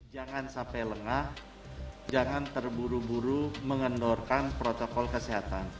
jangan sampai lengah jangan terburu buru mengendorkan protokol kesehatan